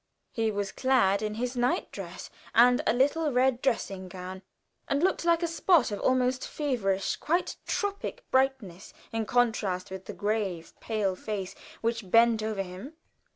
He was clad in his night dress and a little red dressing gown, and looked like a spot of almost feverish, quite tropic brightness in contrast with the grave, pale face which bent over him.